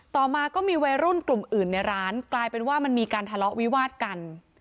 ต่อมาก็มีวัยรุ่นกลุ่มอื่นในร้านกลายเป็นว่ามันมีการทะเลาะวิวาดกัน